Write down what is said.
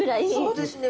そうですね。